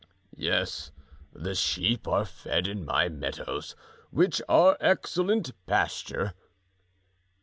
"Yes, the sheep are fed in my meadows, which are excellent pasture."